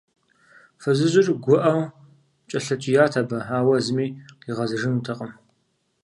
Фызыжьыр гуӀэу кӀэлъыкӀият абы, ауэ зыми къигъэзэжынутэкъым.